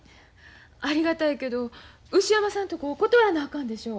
ありがたいけど牛山さんとこ断らなあかんでしょ。